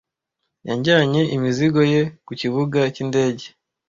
Yajyanye imizigo ye ku kibuga cy'indege.